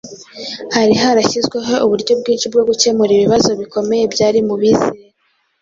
Hari harashyizweho uburyo bwinshi bwo gukemura ibibazo bikomeye byari mu bizera.